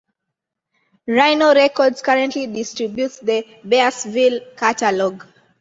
Rhino Records currently distributes the Bearsville catalog.